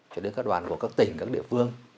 cho đến các đoàn của các tỉnh các địa phương